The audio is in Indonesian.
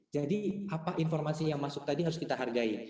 jadi apa informasi yang masuk tadi harus kita hargai